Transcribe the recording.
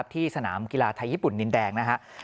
ที่สนามกีฬาไทยญี่ปุ่นนินแดง